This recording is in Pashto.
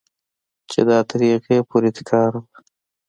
چې دا تر هغې پورې تکراروه.